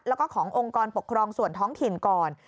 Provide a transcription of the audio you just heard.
แล้วก็ขององค์กรปกครองส่วนท้องถิ่นก่อน